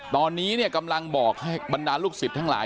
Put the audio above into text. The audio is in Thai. ตอนนี้เนี่ยกำลังบอกให้บรรดาลูกศิษย์ทั้งหลาย